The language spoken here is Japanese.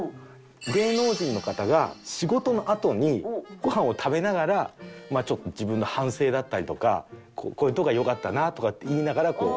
芸能人の方が仕事のあとにごはんを食べながらちょっと自分の反省だったりとかこういうとこがよかったなとかって言いながらこう。